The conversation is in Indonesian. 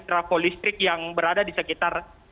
trafo listrik yang berada di sekitar